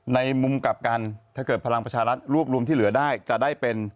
ในมุมกลับกันถ้าเกิดพลังประชารัฐรวบรวมที่เหลือได้จะได้เป็น